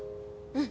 うん。